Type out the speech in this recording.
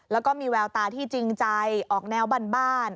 แล้วก็มีแววตาที่จริงใจออกแนวบ้าน